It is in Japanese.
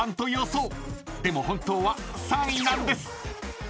［でも本当は３位なんです］